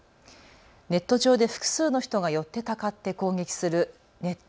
ネット上で複数の人がよってたかって攻撃するネット